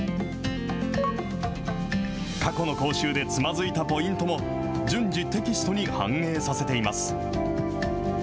過去の講習でつまずいたポイントも順次、テキストに反映させています。